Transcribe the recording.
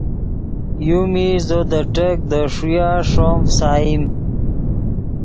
یو میش زو دے ٹیک دے ݰویا ݰوم فیسائیم